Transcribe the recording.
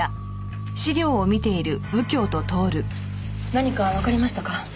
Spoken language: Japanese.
何かわかりましたか？